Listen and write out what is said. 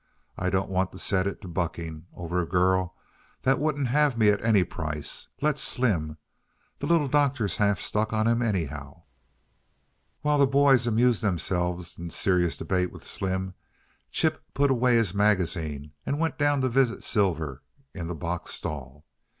I don't want to set it to bucking over a girl that wouldn't have me at any price. Let Slim. The Little Doctor's half stuck on him, anyhow." While the boys amused themselves in serious debate with Slim, Chip put away his magazine and went down to visit Silver in the box stall.